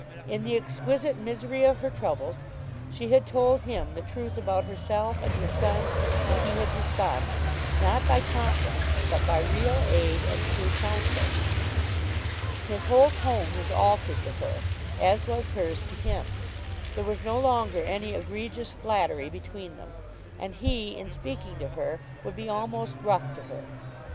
In the exquisite misery of her troubles, she had told him the truth about herself and her son, and he had responded, not by compliments, but by real aid and true counsel. His whole tone was altered to her, as was hers to him. There was no longer any egregious flattery between them, and he, in speaking to her, would be almost rough to her.